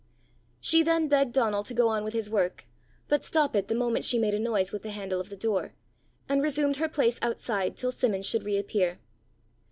She then begged Donal to go on with his work, but stop it the moment she made a noise with the handle of the door, and resumed her place outside till Simmons should re appear.